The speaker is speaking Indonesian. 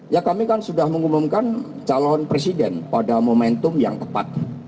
ya kami kan sudah mengumumkan calon presiden pada momentum yang tepat